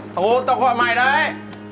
thằng hôn tao gọi mày đây